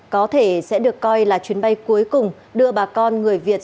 có thể sẽ được coi là chuyến bay cuối cùng đưa bà con người việt